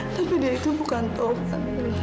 tapi dia itu bukan tovan mila